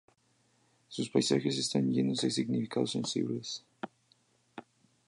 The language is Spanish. Sus paisajes están llenos de significados sensibles.